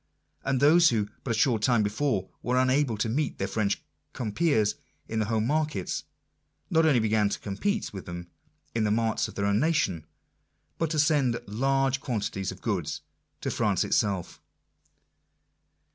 And those who, but a short time before, were unable to meet their French compeers in the home markets, not only began to compete with them in the marts of other nations, but to send large quantities of goods to France itself.